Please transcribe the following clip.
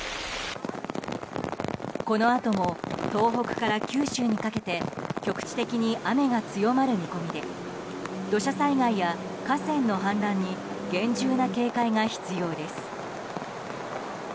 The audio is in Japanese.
このあとも東北から九州にかけて局地的に雨が強まる見込みで土砂災害や河川の氾濫に厳重な警戒が必要です。